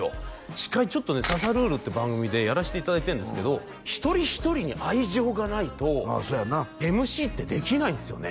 司会「刺さルール！」って番組でやらしていただいてるんですけど一人一人に愛情がないとああそうやなＭＣってできないんですよね